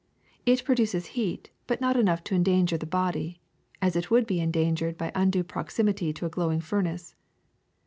It produces heat, but not enough to endanger the body as it would be endangered by undue proximity to a glowing furnace.